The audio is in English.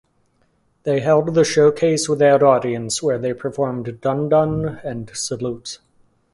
They held the showcase without audience where they performed "Dun Dun" and "Salute".